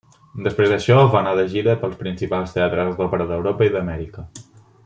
Després d'això va anar de gira pels principals teatres d'òpera d'Europa i d'Amèrica.